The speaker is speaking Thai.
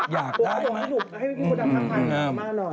อยากได้มั้ยอื้มอื้อหืม